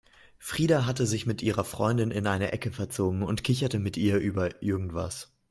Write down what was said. Frida hatte sich mit ihrer Freundin in eine Ecke verzogen und kicherte mit ihr über irgendwas.